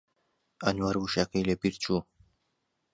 ئەنوەر وشەکەی لەبیر چوو.